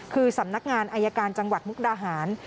คือสำนักงานอายการจังหวัดมุกดาหาร